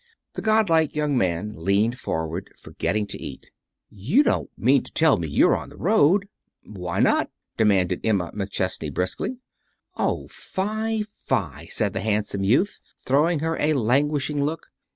The god like young man leaned forward, forgetting to eat. "You don't mean to tell me you're on the road!" "Why not?" demanded Emma McChesney, briskly. "Oh, fie, fie!" said the handsome youth, throwing her a languishing look.